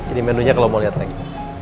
ini menunya kalau mau lihat lagi